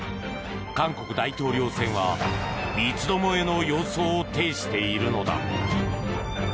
韓国大統領選は三つ巴の様相を呈しているのだ。